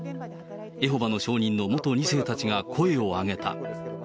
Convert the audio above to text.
エホバの証人の元２世たちが声を上げた。